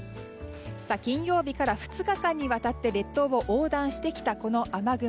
金曜日から２日間にわたって列島を横断してきた雨雲。